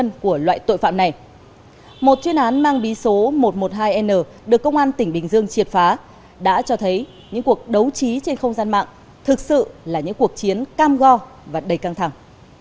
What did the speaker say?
một chuyên án mang bí số một trăm một mươi hai n được công an tỉnh bình dương triệt phá đã cho thấy những cuộc đấu trí trên không gian mạng thực sự là những cuộc chiến cam go và đầy căng thẳng